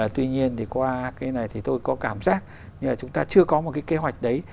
tuy nhiên thì qua cái này thì tôi có cảm giác như là chúng ta chưa có một cái kế hoạch đấy